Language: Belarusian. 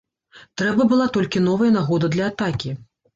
Трэба была толькі новая нагода для атакі.